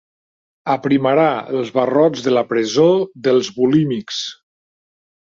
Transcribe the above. Aprimarà els barrots de la presó dels bulímics.